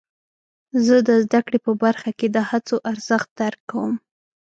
زه د زده کړې په برخه کې د هڅو ارزښت درک کوم.